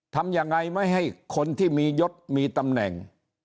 ทำยังไงไม่ให้คนที่มียศมีตำแหน่ง